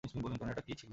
ওটা কী ছিল?